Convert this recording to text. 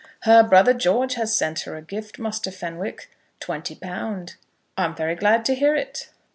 "Her brother George has sent her a gift, Muster Fenwick, twenty pound." "I am very glad to hear it."